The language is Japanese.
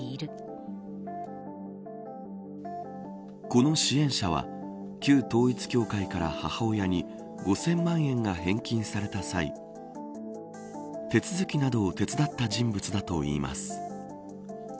この支援者は旧統一教会から母親に５０００万円が返金された際手続きなどを手伝った人物だといいます。